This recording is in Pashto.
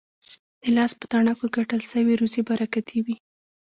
د لاس په تڼاکو ګټل سوې روزي برکتي وي.